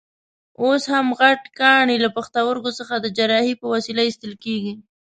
اوس هم غټ کاڼي له پښتورګو څخه د جراحۍ په وسیله ایستل کېږي.